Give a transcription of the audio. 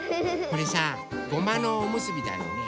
これさごまのおむすびだよね。